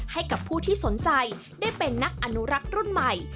ให้กับผู้ที่สนใจได้เป็นนักอนุรักษ์รุ่นใหม่